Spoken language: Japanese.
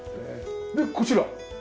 でこちら。